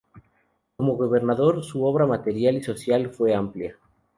Como gobernador su obra material y social fue amplia.